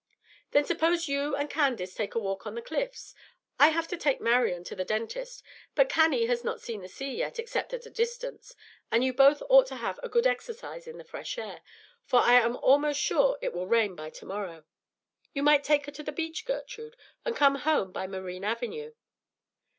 "Then suppose you and Candace take a walk on the Cliffs. I have to take Marian to the dentist; but Cannie has not seen the sea yet, except at a distance, and you both ought to have a good exercise in the fresh air, for I am almost sure it will rain by to morrow. You might take her to the beach, Gertrude, and come home by Marine Avenue."